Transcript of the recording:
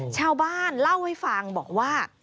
ชาวบ้านเล่าให้ฟังบอกว่า